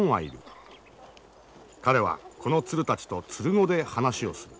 彼はこの鶴たちと鶴語で話をする。